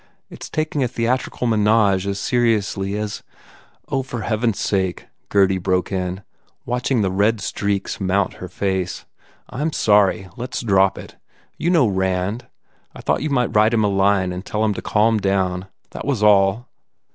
It s taking a theatrical menage as seriously as " "Oh, for heaven s sake," Gurdy broke in, watching the red streaks mount her face, "I m sorry! Let s drop it. You know Rand. I thought you might write him a line and tell him to calm down. That was all.